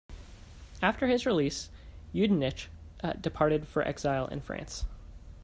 After his release, Yudenich departed for exile in France.